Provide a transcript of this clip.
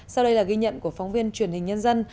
sau đây là ghi nhận của phóng viên truyền hình nhân dân